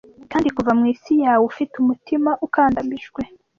'Kandi kuva mu isi yawe, ufite umutima ukandamijwe ,